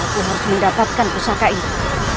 aku harus mendapatkan pusaka ini